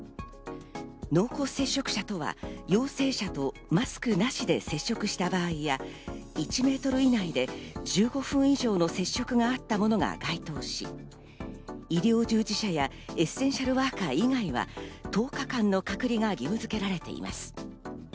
濃厚接触者とは陽性者とマスクなしで接触した場合や、１メートル以内で１５分以上の接触があったものが該当し、医療従事者やエッセンシャルワーカー以外は１０日間の隔離が義務づけられています。